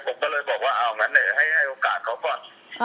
ผมก็เลยบอกว่าเอางั้นให้โอกาสเขาก่อน